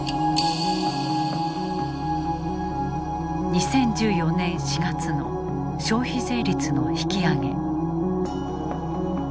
２０１４年４月の消費税率の引き上げ。